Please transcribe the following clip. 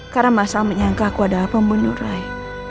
karena mas al menyangka aku adalah pembunuh roy